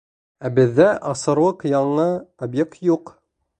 Ә беҙҙә асырлыҡ яңы объект юҡ!